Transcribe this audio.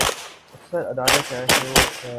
اکثر اداکارہ ایشوریا رائے